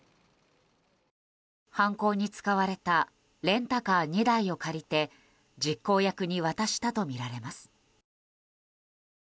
犯行に使われたレンタカー２台を借りて実行役に渡したとみられます。